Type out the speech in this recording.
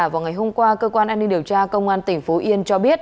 vào ngày hôm qua cơ quan an ninh điều tra công an tỉnh phú yên cho biết